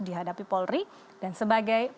dihadapi polri dan sebagai